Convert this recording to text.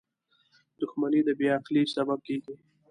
• دښمني د بې عقلی سبب کېږي.